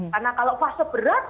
karena kalau fase berat